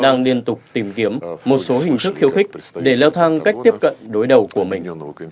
đang liên tục tìm kiếm một số hình thức khiêu khích để leo thang cách tiếp cận đối đầu của mình